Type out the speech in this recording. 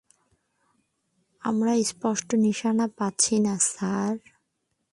আমরা স্পষ্ট নিশানা পাচ্ছি না, স্যার!